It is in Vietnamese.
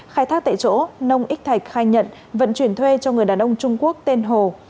khai thác tại chỗ nông ích thạch khai nhận vận chuyển thuê cho người đàn ông trung quốc tên hồ